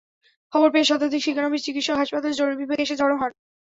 খবর পেয়ে শতাধিক শিক্ষানবিশ চিকিৎসক হাসপাতালের জরুরি বিভাগে এসে জড়ো হন।